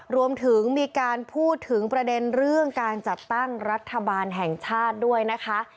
รวมถึงมีการพูดถึงประเด็นเรื่องการจัดตั้งรัฐบาลแห่งชาติด้วยนะคะ